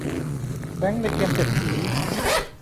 แบงก์ในเกมเศรษฐี